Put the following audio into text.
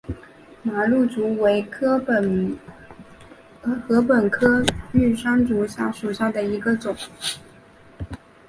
马鹿竹为禾本科玉山竹属下的一个种。